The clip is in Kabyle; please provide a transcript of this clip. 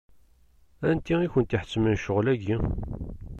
Anti i kent-iḥettmen ccɣel-agi?